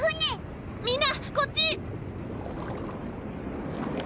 みんなこっち！